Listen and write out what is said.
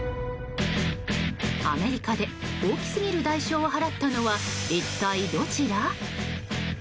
アメリカで大きすぎる代償を払ったのは一体どちら？